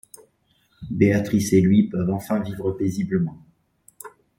Beatrice et lui peuvent enfin vivre paisiblement.